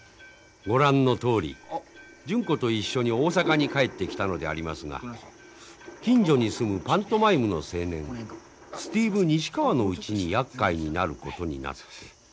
ご覧のとおり純子と一緒に大阪に帰ってきたのでありますが近所に住むパントマイムの青年スティーブ西川のうちにやっかいになることになって。